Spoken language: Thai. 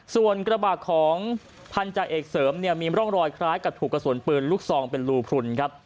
ส่วนกระบะของพันธาเอกเสริมเนี่ยมีร่องรอยคล้ายกับถูกกระสุนปืนลูกซองเป็นรูพลุนครับ